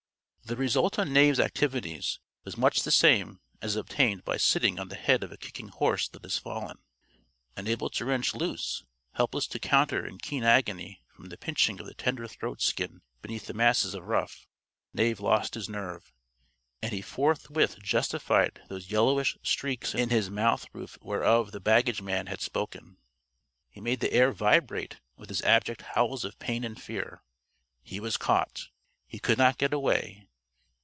The result on Knave's activities was much the same as is obtained by sitting on the head of a kicking horse that has fallen. Unable to wrench loose, helpless to counter, in keen agony from the pinching of the tender throat skin beneath the masses of ruff, Knave lost his nerve. And he forthwith justified those yellowish streaks in his mouth roof whereof the baggage man had spoken. He made the air vibrate with his abject howls of pain and fear. He was caught. He could not get away.